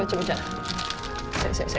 iya masih nih